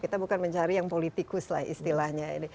kita bukan mencari yang politikus lah istilahnya